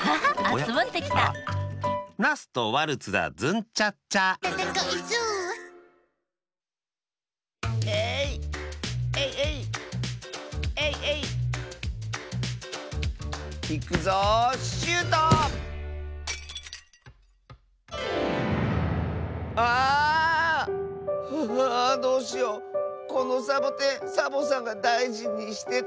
このサボテンサボさんがだいじにしてたのに。